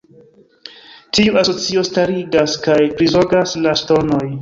Tiu asocio starigas kaj prizorgas la ŝtonoj.